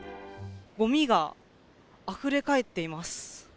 ごみがあふれかえっています。